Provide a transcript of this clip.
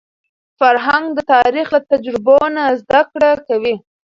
فرهنګ د تاریخ له تجربو نه زده کړه کوي.